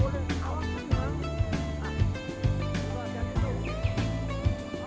enak dulu masih gitu